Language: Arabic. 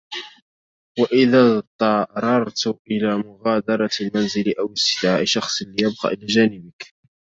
وإذا اضطررت إلى مغادرة المنزل أو استدعاء شخص ليبقى إلى جانبك